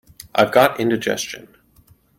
I've got indigestion.